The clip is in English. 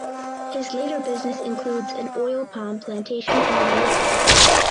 His later business includes an oil palm plantation in Maluku.